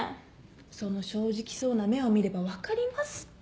その正直そうな目を見れば分かりますって。